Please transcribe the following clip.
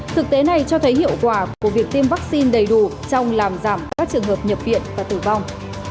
thực tế này cho thấy hiệu quả của việc tiêm vaccine đầy đủ trong làm giảm các trường hợp nhập viện và tử vong